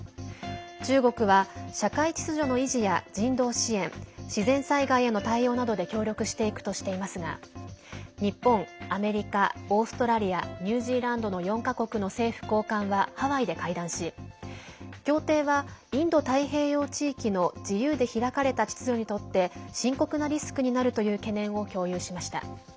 中国は社会秩序の維持や人道支援自然災害への対応などで協力していくとしていますが日本、アメリカ、オーストラリアニュージーランドの４か国の政府高官はハワイで会談し協定はインド太平洋地域の自由で開かれた秩序にとって深刻なリスクになるという懸念を共有しました。